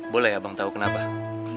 boleh abang tahu keberadaan kamu